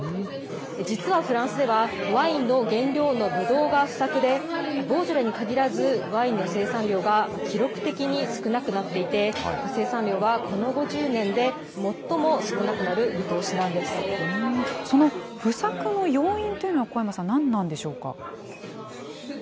実はフランスでは、ワインの原料のぶどうが不作で、ボージョレに限らず、ワインの生産量が記録的に少なくなっていて、生産量はこの５０年で最も少なくなる見通しその不作の要因というのは、古山さん、何なんでしょうか？